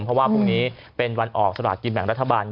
เพราะว่าพรุ่งนี้เป็นวันออกสลากินแบ่งรัฐบาล